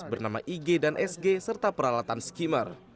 bernama ig dan sg serta peralatan skimmer